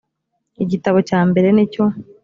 igitabo cyambere nicyo.